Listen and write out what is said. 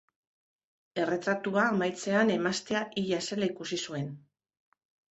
Erretratua amaitzean emaztea hila zela ikusi zuen.